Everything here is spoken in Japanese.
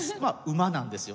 馬なんですよ。